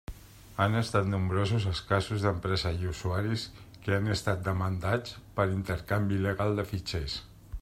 Han estat nombrosos els casos d'empreses i usuaris que han estat demandats per intercanvi il·legal de fitxers.